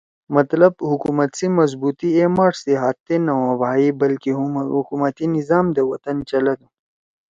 مطلب حکومت سی مضبوطی اے ماݜ سی ہات تے نہ ہو بھائی بلکہ حکومتی نظام دے وطن چلَدُو